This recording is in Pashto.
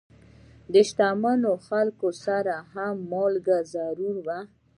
د شتمنو خلکو سره هم مالګه ضرور وه.